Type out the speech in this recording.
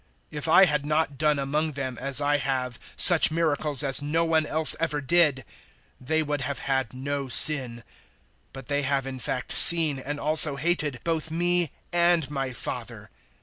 015:024 If I had not done among them, as I have, such miracles as no one else ever did, they would have had no sin; but they have in fact seen and also hated both me and my Father.